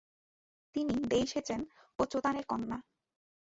তিনি দেই-সেচেন ও চোতানের কন্যা।